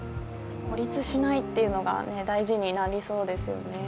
孤立しないというのが大事になりそうですよね